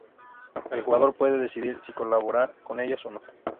El jugador puede decidir si colaborar con ellos o no.